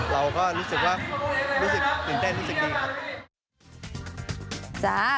เราก็รู้สึกว่ารู้สึกตื่นเต้นรู้สึกดีครับ